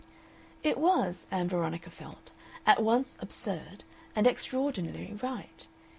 It was, Ann Veronica felt, at once absurd and extraordinarily right.